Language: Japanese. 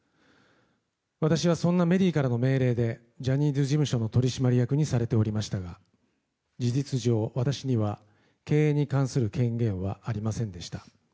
私はそんなメリーからの命令でジャニーズ事務所の取締役にされておりましたが事実上、私には経営に関する権限はありませんでした。